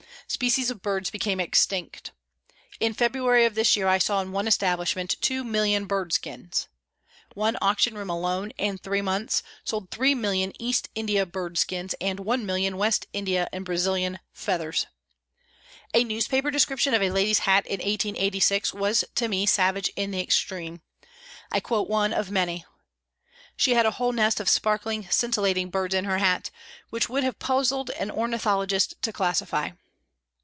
Species of birds became extinct. In February of this year I saw in one establishment 2,000,000 bird skins. One auction room alone, in three months, sold 3,000,000 East India bird skins, and 1,000,000 West India and Brazilian feathers. A newspaper description of a lady's hat in 1886 was to me savage in the extreme. I quote one of many: "She had a whole nest of sparkling, scintillating birds in her hat, which would have puzzled an ornithologist to classify."